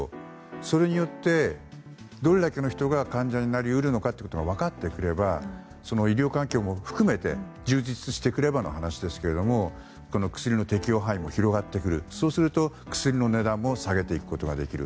それによってどれだけの人が患者になり得るのかということが分かってくれば医療環境も含めて充実してくればの話ですが薬の適用範囲も広がってくるそうすると、薬の値段も下げていくことができる。